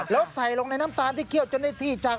แล้วใส่ลงในน้ำตาลที่เคี่ยวจนได้ที่จัง